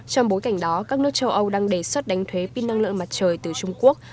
trong bối cảnh đó các nước châu âu đang đề xuất đánh thuế pin năng lượng mặt trời từ trung quốc